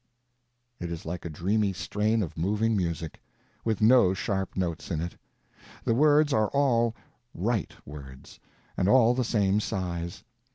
It is like a dreamy strain of moving music, with no sharp notes in it. The words are all "right" words, and all the same size.